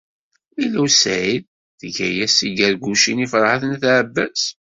Lila u Saɛid tga-as-d tigargucin i Ferḥat n At Ɛebbas.